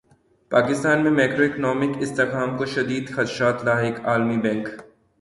پاکستان میں macro economic استحکام کو شدید خدشات لاحق عالمی بینک